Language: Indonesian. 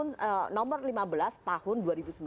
nomor lima belas tahun